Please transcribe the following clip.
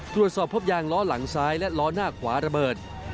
ตรวจสอบพบยางล้อหลังซ้ายและล้อหน้าขวาระเบิด